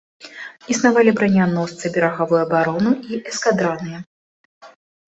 Існавалі браняносцы берагавой абароны і эскадраныя.